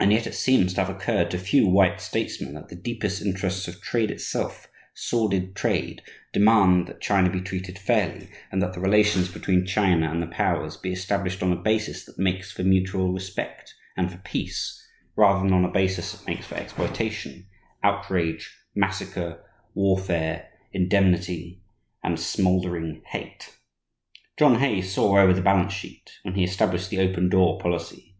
And yet it seems to have occurred to few white statesmen that the deepest interests of trade itself, sordid trade, demand that China be treated fairly and that the relations between China and the powers be established on a basis that makes for mutual respect and for peace, rather than on a basis that makes for exploitation, outrage, massacre, warfare, "indemnity," and smouldering hate. John Hay saw over the balance sheet, when he established the "open door" policy.